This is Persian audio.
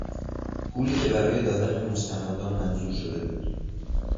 پولی که برای دادن به مستمندان منظور شده بود